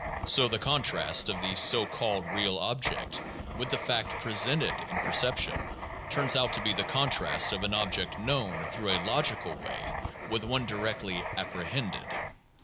So the contrast of the (so called) real object with the fact "pre sented" in perception turns out to be the contrast of an object known through a logical way with one directly "apprehended."